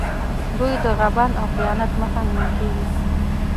د دوی د غبن او خیانت مخه نیول کېږي.